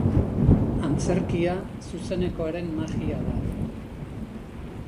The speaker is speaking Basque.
Antzerkia zuzenekoaren magia da.